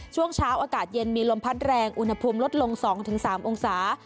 ช่วงเช้าอากาศเย็นมีลมพัดแรงอุณหภูมิลดลง๒๓องศา